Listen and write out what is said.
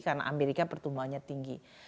karena amerika pertumbuhannya tinggi